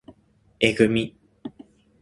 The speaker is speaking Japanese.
えぐみ